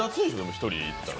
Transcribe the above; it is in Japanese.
１人で行ったら。